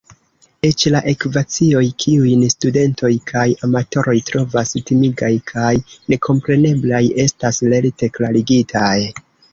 Eĉ la ekvacioj, kiujn studentoj kaj amatoroj trovas timigaj kaj nekompreneblaj, estas lerte klarigitaj.